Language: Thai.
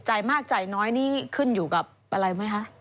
มากจ่ายน้อยนี่ขึ้นอยู่กับอะไรไหมคะ